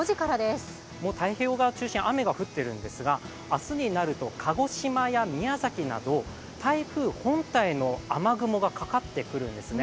太平洋側を中心に雨が降っているんですが、明日になると鹿児島や宮崎など台風本体の雨雲がかかってくるんですね。